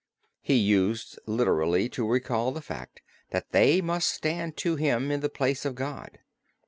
He used literally to recall the fact that they must stand to him in the place of God.